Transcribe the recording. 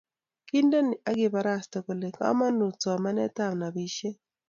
kindene akibaraste kole kamanuut somanetab nobishet